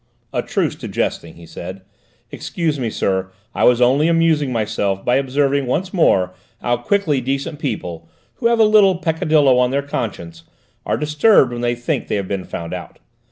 "A truce to jesting," he said; "excuse me, sir, I was only amusing myself by observing once more how quickly decent people, who have a little peccadillo on their conscience, are disturbed when they think they have been found out.